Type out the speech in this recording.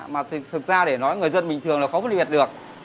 mà thực ra để nói người dân bình thường là không phân biệt được